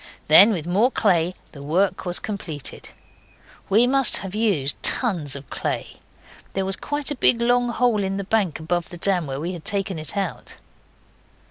Then with more clay the work was completed. We must have used tons of clay; there was quite a big long hole in the bank above the dam where we had taken it out.